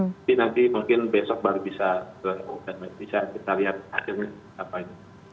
tapi nanti mungkin besok baru bisa kita lihat